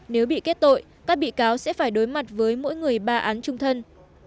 nếu bị kết tội các bị cáo sẽ phải đối mặt với mỗi người ba án trung thân